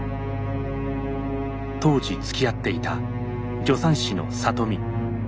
当時つきあっていた助産師の里美。